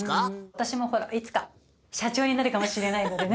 私もいつか社長になるかもしれないのでね